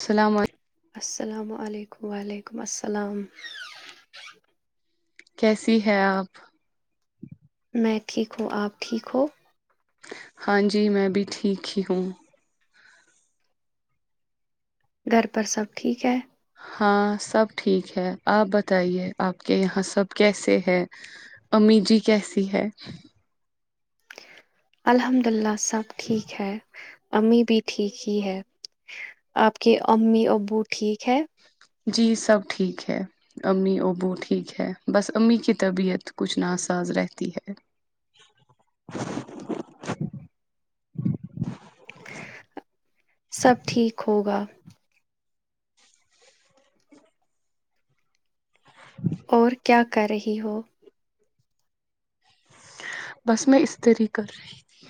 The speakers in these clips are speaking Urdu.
السلام علیکم السلام علیکم وعلیکم السلام کیسی ہے آپ میں ٹھیک ہوں آپ ٹھیک ہو ہاں جی میں بھی ٹھیک ہی ہوں گھر پر سب ٹھیک ہے ہاں سب ٹھیک ہے آپ بتائیے آپ کے یہاں سب کیسے ہے امیجی کیسی ہے الحمد للہ سب ٹھیک ہے امی بھی ٹھیک ہی ہے آپ کے امی ابو ٹھیک ہے جی سب ٹھیک ہے امی ابو ٹھیک ہے بس امی کی طبیعت کچھ ناساز رہتی ہے سب ٹھیک ہوگا اور کیا کر رہی ہو بس میں اس طریح کر رہی تھی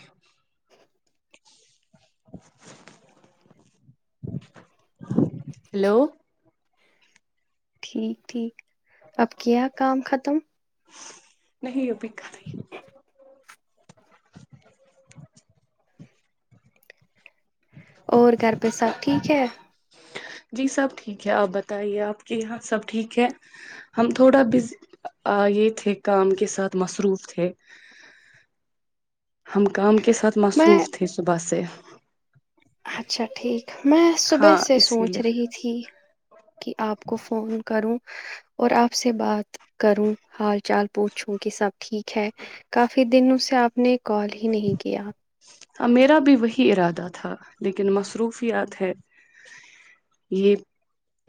ہیلو ٹھیک ٹھیک اب کیا کام ختم نہیں ا پکا نہیں اور کرھر پہ سب ٹھیک ا [inaudible] جی سب ٹھیک ہے آپ بتائیے آپ کے یہاں سب ٹھیک ہے ہم تھوڑا ب آ یہ تھے کام کے ساتھ مصروف تھے ہم کام کے ساتھ میں مصروف تھی صبح سے اچھا ٹھیک میں صبح ہاں سے اسی سوچ لیے رہی تھی کہ آپ کو فون کروں اور آپ سے بات کروں ہال چال پوچھوں کہ سب ٹھیک ہے کافی دن اس سے آپ نے کال ہی نہیں کیا میرا بھی وہی ارادہ تھا لیکن مصروفیات ہے یہ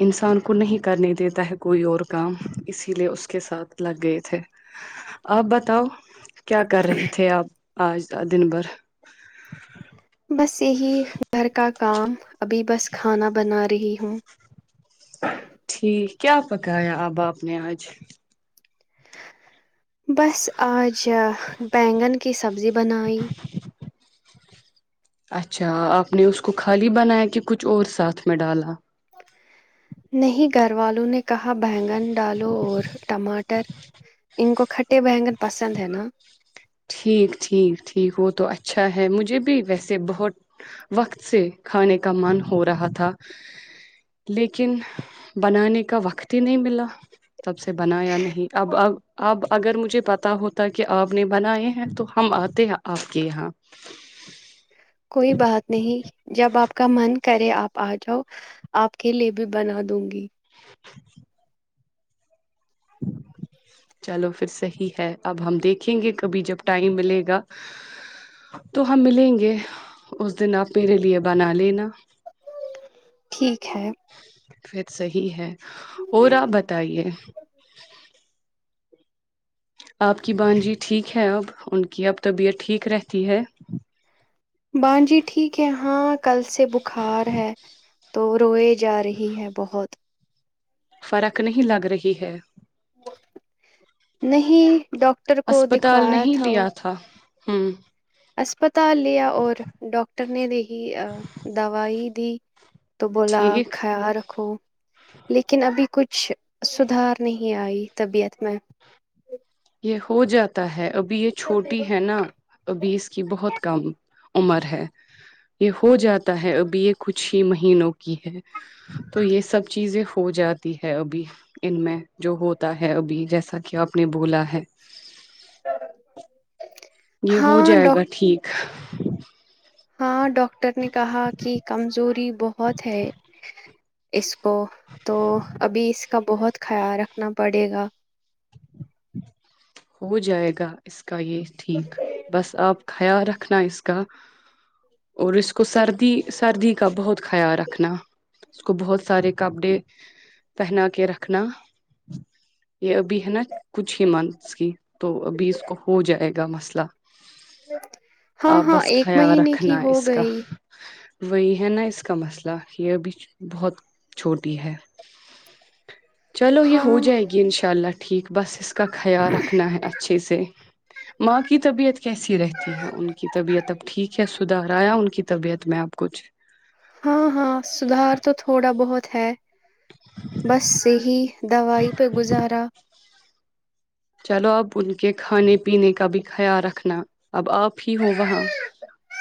انسان کو نہیں کرنے دیتا ہے کوئی اور کام اسی لیے اس کے ساتھ لگ گئے تھے آپ بتاؤ کیا کر رہے تھے آپ آج کا دن بھر بس یہی گھر کا کام ابھی بس کھانا بنا رہی ہوں ٹھیک کیا پکایا اب آپ نے آج بس آج بینگن کی سبزی بنائی اچھا آپ نے اس کو خالی بنایا کہ کچھ اور ساتھ میں ڈالا نہیں گھر والوں نے کہا بینگن ڈالو اور ٹماٹر ان کو کھٹ اے بنگن پسند ہے نا ٹھیک ٹھیک ٹھیک وہ تو اچھا ہے مجھے بھی ویسے بہت وقت سے کھانے کا من ہو رہا تھا لیکن بنانے کا وقت ہی نہیں ملا سب سے بنا یا نہیں اب اب اب اگر مجھے پتا ہوتا کہ آپ نے بنائے ہیں تو ہم آتے ہیں آپ کے یہاں کوئی بات نہیں جب آپ کا من کرے آپ آ جاؤ آپ کے لیے بھی بنا دوں گی [inaudible] چلو پھر صحیح ہے اب ہم دیکھیں گے کبھی جب ٹائم ملے گا تو ہم ملیں گے اس دن آپ میرے لیے بنا لینا ٹھیک ہےھ فیید صحیح ہے اور آپ بتائیے آپ کی بانجی ٹھیک ہے اب ان کی اب طبیعت ٹھیک رہتی ہے بان جی ٹھیک ہے ہاں کل سے بخار ہے تو روئے جا رہی ہے بہت فرق نہیں لگ رہی ہے نہیں ڈاکٹر کو دکھوایا تھا اور ہاں [unintelligible] اسسپتال لیا اور ڈاکاکٹر نے د ہی دوائی ت تو بولا ٹھیک خیال رکھو لیکن ابھی کچھ شھ [unintelligible] سدھار نہیں آئی طبیعت میں یہ ہو جاتا ہے ابھی یہ چھوٹی ہے نا ابھی اس کی بہت کم عمر ہے یہ ہو جاتا ہے ابھی یہ کچھ ہی مہینوں کے [unintelligible] ہے تو یہ سب چیزیں ہو جاتی ہے ابھی ان میں جو ہوتا ہے ابھی جیسا کہ آپ نے بولا ہے [unintelligible] یہ ہو ہاں جائے گا ڈاک ٹھیک ہاں ڈاکٹر نے کہا کہ کمزوری بہت ہے اس کو تو ابھی اس کا بہت خیال رکھنا پڑے گا ہو جائے گا اس [unintelligible] کا یہ ٹھیک بس آپ [unintelligible] خیال رکھنا اس کا اور اس کو سردی سردی کا بہت خیال رکھنا اس کو بہت سارے کپڑے پہنا کے رکھنا یہ ابھی ہے نا کچھ ہی منتھس کی تو ابھی اس کو ہو جائے گا مسئلہ ہاں آ ہاں بس ایک خیال مہینے کی رکھنا ہے ہو اس کا گئی وہی ہے نا اس کا مسئلہ یہ ابھی بہت چھوٹی ہے چلو یہ ہو ہاں جائے گی انشاء اللہ ٹھیک بس اس کا خیال رکھنا ہے اچھے سے ماں کی طبیعت کیسی رہتی ہے ان کی طبیعت اب ٹھیک ہے سدھار آیا ان کی طبیعت میں اب کچھ ہاں ہاں سدھار تو تھوڑا بہت ہے بس یہی دوائی پہ گزارا چلو اب ان کے کھانے پینے کا بھی خیال رکھنا اب آپ ہی ہو وہاں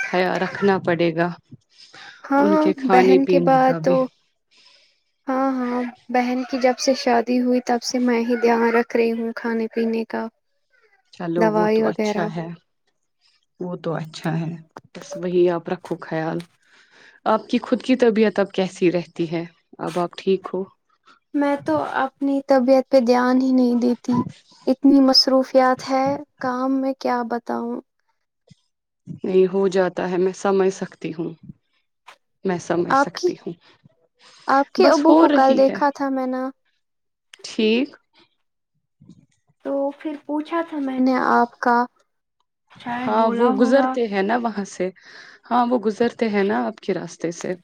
خیال رکھنا پڑے گا ان ہاں کے کھانے بہن کے پینے بعد کا تو بھی ہاں ہاں بہن کی جب جب سے شادی ہوئی تب سے میں ہی دھیان رکھ رہی ہوں کھانے پینے کا چلو وہ تو دوائی اچھا وغیرہ ہے وہ تو اچھا ہے بس وہی آپ رکھ کھو خیال آپ کی خود کی طبیعت اب کیسی رہتی ہے اب آپ ٹھیک ہو میں تو اپنی طبیعت پہ دھیان ہی نہیں دیتی اتنی مصروفیات ہے کام میں کیا بتاؤں نہیں ہو جاتا ہے میں سمجھ سکتی ہوں میں سمجھ آپ کی سکتی ہوں آپ کے بس ابو ہو کو کل رہی ہے دیکھا تھا میں نے ٹھیک تو پھر پوچھا تھا میں نے آپ کا شاید ہاں وہ بولا ہوگا گزرتے ہیں نا وہاں سے ہاں وہ گزرتے ہیں نا آپ کے راستے سے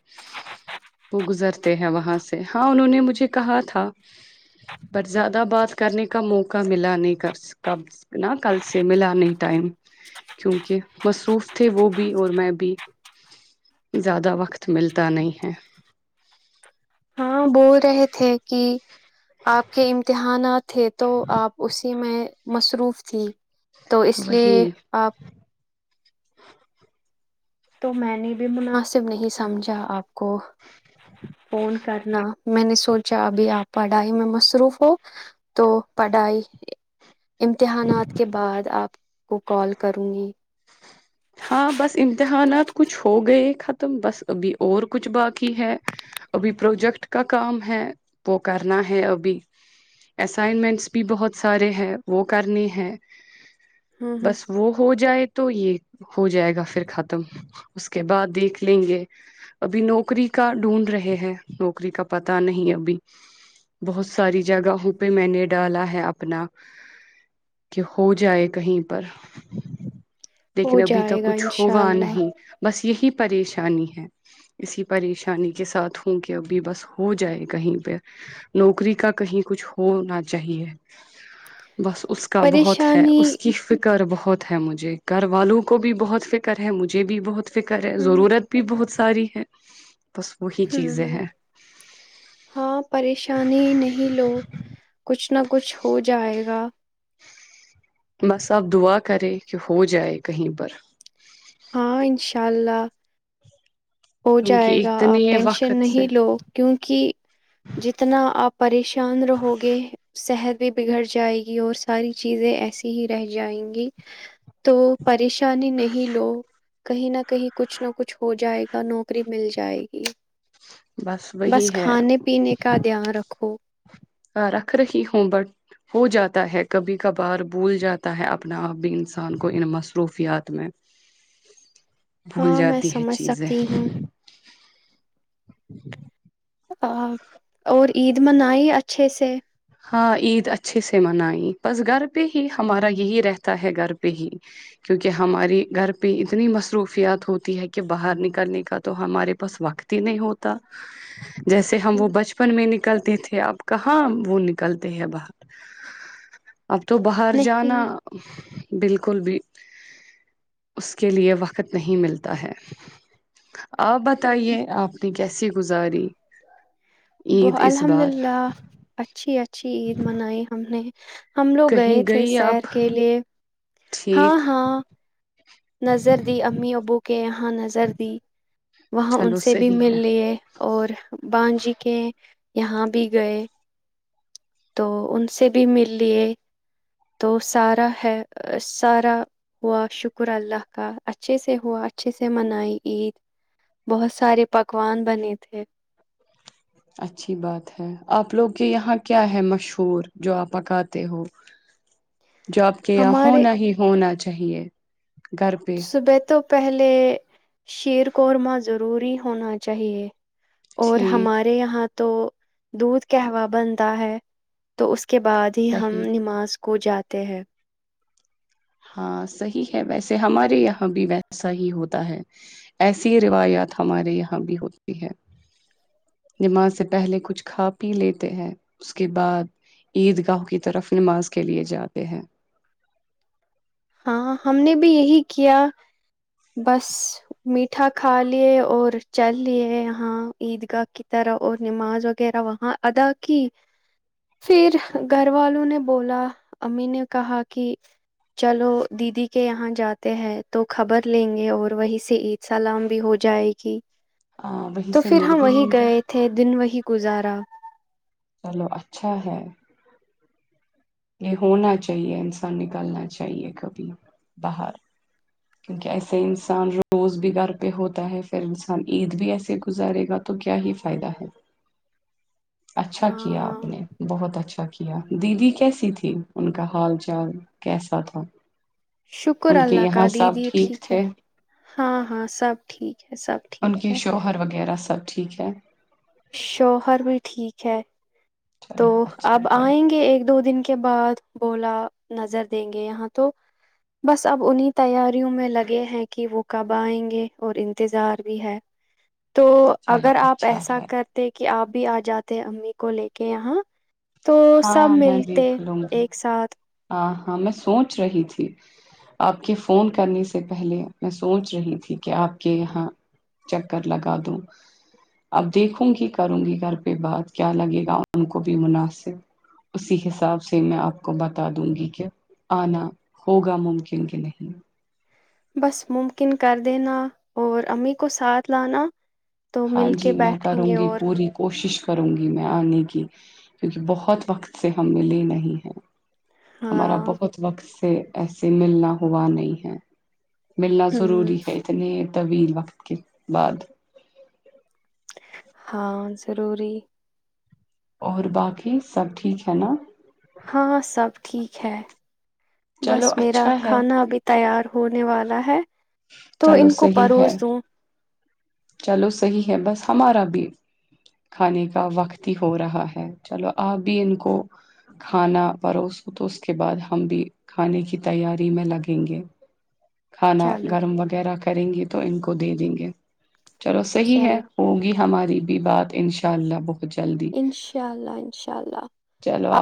وہ گزرتے ہیں وہاں سے ہاں انہوں نے مجھے کہا تھا پر زیادہ بات کرنے کا موقع ملا نہیں کر کب نا کل سے ملا نہیں ٹائم کیونکہ مصروف تھے وہ بھی اور میں بھی زیادہ وقت ملتا نہیں ہے ہاں بول رہے تھے تھے کہ آپ کے امتحانات تھے تو آپ اسی میں مصروف تھی تو اس وہی لیے آپ تو میں نے بھی مناسب نہیں سمجھا آپ کو فون کرنا میں نے سوچا ابھی آپ پڑھائی میں مصروف ہو تو پڑھائی امتحانات کے بعد آپ کو کال کروں گی ہاں بس امتحانات کچھ ہو گئے ختم بس ابھی اور کچھ باقی ہے ابھی پروجیکٹ کا کام ہے وہ کرنا ہے ابھی اسائنمنٹس بھی بہت سارے ہیں وہ کرنے ہے ہوں ہوں بس وہ ہو جائے تو یہ ہو جائے گا پھر ختم اس کے بعد دیکھ لیں گے ابھی نوکری کا ڈھونڈ رہے ہیں نوکری کا پتا نہیں ابھی بہت ساری جگہوں پہ میں نے ڈالا ہے اپنا کہ ہو جائے کہیں پر ہو لیکن ابھی جائے تک گا کچھ انشاء ہوا اللہ نہیں بس یہی پریشانی ہے اسی پریشانی کے ساتھ ہوں کہ ابھی بس ہو جائے کہیں پہ نوکری کا کہیں کچھ ہونا چاہیے بس اس کا بہت ہے پریشانی اس کی فکر بہت بہت ہے مجھے گھر والوں کو بھی بہت فکر مجھے بھی بہت فکر ہے ضرورت بھی بہت ساری کہ [unintelligible] ہ ہ ہاں پریشانی نہیں لو کچھ نہ کچھ ہو جائے گ [unintelligible] بس آپ دعا کرے کہ ہو جائے کہیں پر ا [inaudible] ہو جائے کیونکہ گا اتنے آپ ٹینشن وقت سے نہیں لو کیونکہ جتنا آپ پریشان رہو گے صحت بھی بگڑ جائے گی اور ساری چیزیں ایسی ہی رہ جائیں گی تو پریش پریشانی نہیں لو [unintelligible] کہیں نہ کہیں کچھ نہ کچھ ہو جائےا کا نوکری مل جائے گی وہی بس ہے کھانے پینے کا دھیان رکھو رکھ رہی ہوں بٹ ہو جاتا ہے کبھی کبھار بھول جاتا ہے اپنا آپ بھی انسان کو ان مصروفیات میں بھول ہاں میں جاتی ہے سمجھ چیزیں سکتی ہوں ج [unintelligible] ا اور عید منائی اچھے سے [unintelligible] ہاں عید اچھے سے منائی بس گھر پہ ہی ہمارا یہی رہتا ہے گھر پہ ہی کیونکہ ہماری گھر پہ اتنی مصروفیات ہوتی ہے کہ باہر نکلنے کا تو ہمارے پاس وقت ہی نہیں ہوتا جیسے ہم وہ بچپن م میں نکلتے تھے آپ کہاں وہ نک [unintelligible] نکلتے ہیں باہر [unintelligible] اب تو باہر جانا نہیں بالکل بھی اس کے لیے وقت نہیں ملتا ہے آپ بتائیے آپ نے کیسی گزاری [unintelligible] ب عید اس الحمد بار للہ اچھی اچ اچھی عید منائی ہم نے [unintelligible] ہم لوگ کہیں گئے تھے گئی شیر آپ کے لیے ہاں ٹھیک ہاں نظر دی امی ابو کے یہاں نظر دی وہاں ان چلو سے بھی صحیح مل ہے لیے اور بانجی کے یہاں بھی گئے تو ان سے بھی مل لیے تو سارا ہے سارا ہوا شکر اللہ کا اچھے سے ہوا اچھے سے منائی عید بہت سارے پکوان بنے تھے اچھی بات ہے آپ لوگ کے یہاں کیا ہے مشہور جو آپ پکاتے ہو جاب کے ہمارے ہونا ہی ہونا چاہیے چاہیے [unintelligible] صبح تو پہلے شیر قورمہ ضروری ہونا چاہیے اور ٹھیک ہمارے یہاں تو دھ کہوا بنتا ہے تو اس کے بعد ہی ہم صحیح نماز کو جاتے ہیں ہاں صحیح ہے ویسے ہمارے یہاں بھی ویسا ہی ہوتا ہے ایسی روایات ہمارے یہاں بھی ہوتی ہے نماز سے پہلے کچھ کھا پی لیتے ہیں اس کے بعد عید گاہ کی طرف نماز کے لیے جاتے ہیں ہاں ہم نے بھی یہی کیا بس میٹھا کھا لیے اور چل لیے یہاں عید گاہ کی طرح اور نماز وغیرہ وہاں ادا کی پھر گھر والوں نے بولا امی نے کہا کہ چلو دیدی کے یہاں جاتے ہیں تو خبر لیں گے اور وہی سے عید سلام بھی ہو جائے گی آ, وہیں تو سے پھر مل ہم بھی وہی لیں گے گئے تھے دن وہی گزارا چلو اچھا ہے یہ ہونا چاہیے انسان نکالنا چاہیے کبھی باہر کیونکہ ایسے انسان روز بھی گھر پہ ہوتا ہے پھر انسان عید بھی ایسے گزارے گا تو کیا ہی فائدہ ہے [unintelligible] اچھا ہاں کیا ہاں آپ نے بہت اچھا کیا دیدی کیسی تھی ان کا حال چال کیسا تھا ان کے یہاں سے ج جی ٹھیک ہے ہاں ہاں سب ٹھیک ہے سب ان ٹھیک کے ہے شوہر وغیرہ سب ٹھیک ہے شوہر بھی ٹھیک چھ تو چلو اچھا اب ہے آئیں گے ایک دو دن کے کے بعد بولا نظر دیں گے یہاں تو بس اب انہیں تیاریوں میں لگے ہیں کہ وہ کب آئیں گے اور انتظار بھی ہے تو چلو اگر آپ اچھا ایسا ہے کرتے کہ کہ آپ بھی آ جاتے ہیں امی کو لے کے کہ یہاں تو سب ہاں میں ملتے دیکھ لوں گی ایک ساتھ ہاں ہاں میں سوچ رہی تھی آپ کے فون کرنے سے پہلے میں سوچ رہی تھی کہ آپ کے یہاں چکر لگا دوں اب دیکھوں گی کروں گی گھر پہ بات کیا لگے گا ان کو بھی مناسب اسی حساب سے میں آپ کو بتا بتا دوں گی کیا آنا ہوگا ممکن کہ نہیں بس ممکن کر دینا اور امی کو ساتھ لانا تو ہاں مل کے جی میں بیٹھیں کروں گے گی اور پوری کوشش کروں گی میں آنے کی کیونکہ بہت وقت سے ہم ملے نہیں ہیں ہمارا ہاں بہت وقت سے ایسے ملنا ہوا نہیں ہے ملنا ہوں ضروری ہے اتنے طویل وقت کے بعد ہاں ضروری اور باقی سب ٹھیک ہے نا ہاں سب ٹھیک ہے چلو بس میرا اچھا ہے کھانا ابھی تیار ہونے والا ہے تو چلو ان کو صحیح ہے پروس دوں چلو صحیح ہے بس ہمارا بھی کھانے کا وقت ہی ہو رہا ہے چلو آپ بھی ان کو کھانا پروس ہو تو اس کے بعد ہم بھی کھانے کی تیاری میں لگیں گے کھانا چلو گرم وغیرہ کریں گی تو ان کو دے دیں گے چلو صحیح ہے چلو ہوگی ہماری بات ان شاء اللہ بہت جلدی انشاء اللہ انشاء اللہ چلو